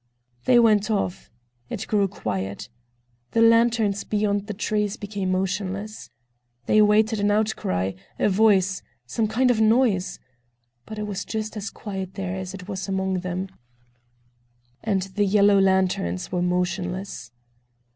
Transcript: They went off. It grew quiet. The lanterns beyond the trees became motionless. They awaited an outcry, a voice, some kind of noise—but it was just as quiet there as it was among them—and the yellow lanterns were motionless.